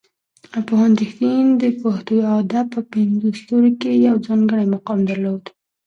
پوهاند رښتین د پښتو ادب په پنځو ستورو کې یو ځانګړی مقام درلود.